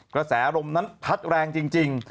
กระแสลมนั้นพัดแรงจริง